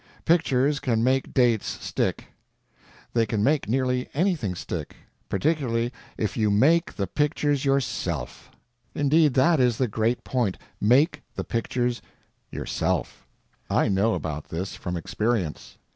Pictures can make dates stick. They can make nearly anything stick—particularly if you make the pictures yourself. Indeed, that is the great point—make the pictures yourself. I know about this from experience.